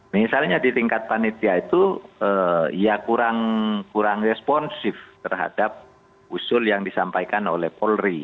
misalnya di tingkat panitia itu ya kurang responsif terhadap usul yang disampaikan oleh polri